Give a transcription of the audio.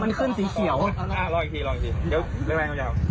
มันขึ้นสีเขียว